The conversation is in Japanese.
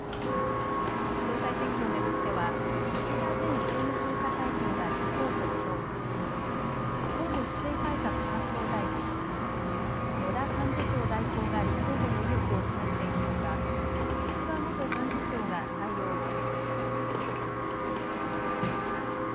総裁選挙を巡っては岸田前政務調査会長が立候補を表明し河野規制改革担当大臣と野田幹事長代行が立候補の意欲を示しているほか石破元幹事長が対応を検討しています。